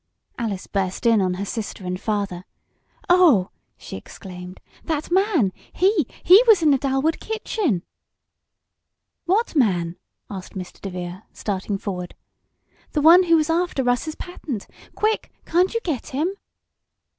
Alice burst in on her sister and father. "Oh!" she exclaimed. "That man he he was in the Dalwood kitchen!" "What man?" asked Mr. DeVere, starting forward. "The one who was after Russ's patent! Quick, can't you get him?"